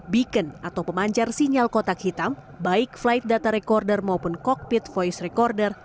beacon atau pemancar sinyal kotak hitam baik flight data recorder maupun cockpit voice recorder